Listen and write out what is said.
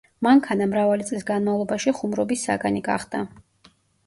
მანქანა მრავალი წლის განმავლობაში ხუმრობის საგანი გახდა.